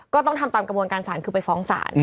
ก็ต้องทำตามกระบวนการศาลคือไปฟ้องศาล